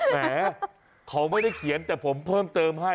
แหมเขาไม่ได้เขียนแต่ผมเพิ่มเติมให้